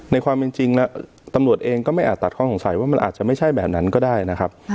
ความจริงแล้วตำรวจเองก็ไม่อาจตัดข้อสงสัยว่ามันอาจจะไม่ใช่แบบนั้นก็ได้นะครับ